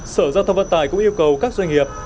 sở giao thông vận tải cũng yêu cầu các doanh nghiệp